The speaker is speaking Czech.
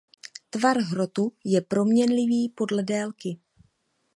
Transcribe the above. Tvar hrotu je proměnlivý podle délky.